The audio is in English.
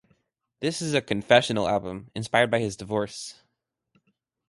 This is a "confessional" album, inspired by his divorce.